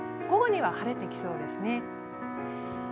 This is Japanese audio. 午後には晴れてきそうですね。